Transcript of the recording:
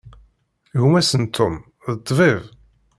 Gma-s n Tom, d ṭṭbib.